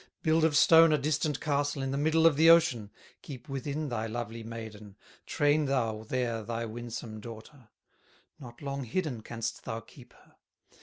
Build of stone a distant castle In the middle of the ocean, Keep within thy lovely maiden, Train thou there thy winsome daughter, Not long hidden canst thou keep her.